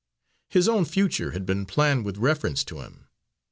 His own future had been planned with reference to him.